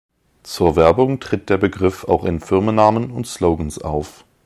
Zur Werbung tritt der Begriff auch in Firmennamen und Slogans auf.